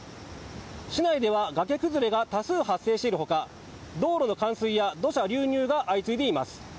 市内では崖崩れが多数、発生している他道路の冠水や土砂流入が相次いでいます。